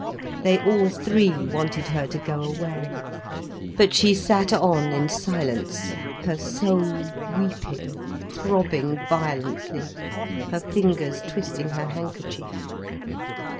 They all three wanted her to go away. But she sat on in silence, her soul weeping, throbbing violently, her fingers twisting her handkerchief.